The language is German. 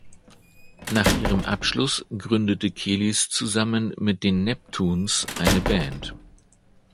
Nach ihrem Abschluss gründete Kelis zusammen mit den Neptunes eine Band.